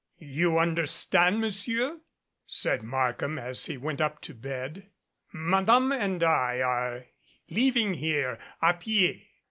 "You understand, Monsieur?" said Markham, as he went up to bed. "Madame and I are leaving here a pied.